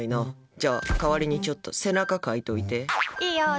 じゃあ、代わりにちょっと背中かいといて。